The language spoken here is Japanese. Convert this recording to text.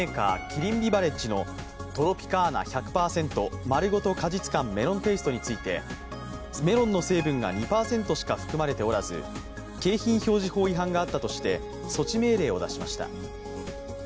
キリンビバレッジのトロピカーナ１００％まるごと果実感メロンテイストについてメロンの成分が２％しか含まれておらず、景品表示法違反があったとして措置命令を出しました。